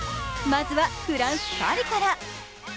まずはフランス・パリから。